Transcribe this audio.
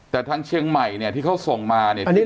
แต่ทางเชียงใหม่เนี่ยที่เขาส่งมาเนี่ย